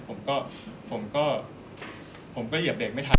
ผมก็เหยียบเด็กไม่ทัน